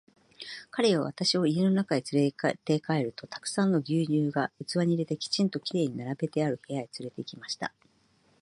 彼は私を家の中へつれて帰ると、たくさんの牛乳が器に入れて、きちんと綺麗に並べてある部屋へつれて行きました。